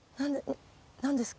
何ですか？